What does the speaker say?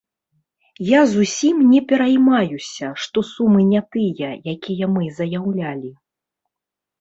Я зусім не пераймаюся, што сумы не тыя, якія мы заяўлялі.